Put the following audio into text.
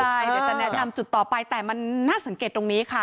กดแนะนำจุดต่อไปแต่มันน่าสังเกตุตรงนี้